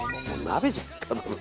もう鍋じゃん。